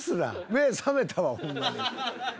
目覚めたわホンマに。